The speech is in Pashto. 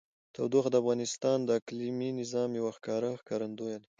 تودوخه د افغانستان د اقلیمي نظام یوه ښکاره ښکارندوی ده.